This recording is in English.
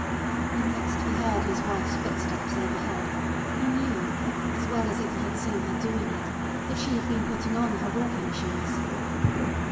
When next he heard his wife's footsteps overhead he knew, as well as if he had seen her doing it, that she had been putting on her walking shoes.